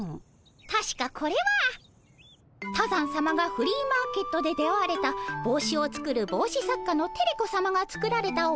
たしかこれは多山さまがフリーマーケットで出会われたぼうしを作るぼうし作家のテレ子さまが作られたおぼうしで。